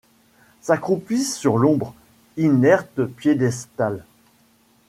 S’accroupissent sur l’ombre, inerte piédestal